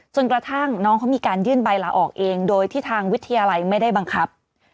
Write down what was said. จนกระทั่งน้องเขามีการยื่นใบลาออกเองโดยที่ทางวิทยาลัยไม่ได้บังคับ